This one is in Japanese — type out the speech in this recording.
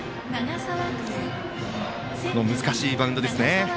難しいバウンドでしたね。